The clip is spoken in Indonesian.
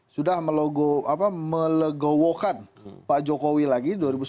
sudah melegowokan pak jokowi lagi dua ribu sembilan belas